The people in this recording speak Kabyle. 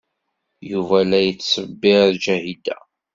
Yuba la yettṣebbir Ǧahida.